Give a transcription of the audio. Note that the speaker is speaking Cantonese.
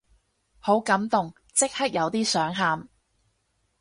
好感動，即刻有啲想喊